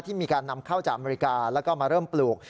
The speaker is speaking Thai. มีการนำเข้าจากอเมริกาแล้วก็มาเริ่มปลูก